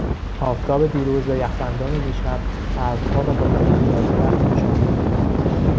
آفتاب دیروز و یخبندان دیشب برفها را با لایهای از یخ پوشانید.